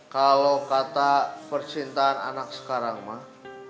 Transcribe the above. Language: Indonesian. kalau kata percintaan anak sekarang mah